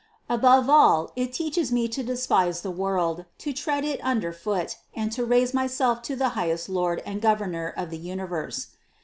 Above all, it teaches me to despise the world, to tread it under foot and to raise my self to the highest Lord and Governor of the universe.